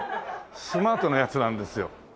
スマートなやつなんですよ。